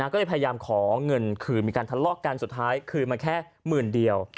ก็เลยพยายามขอเงินคืนมีการทะเลาะกันสุดท้ายคืนมาแค่หมื่นเดียว